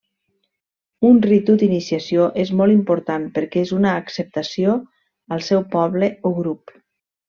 Un ritu d'iniciació és molt important perquè és una acceptació al seu poble o grup.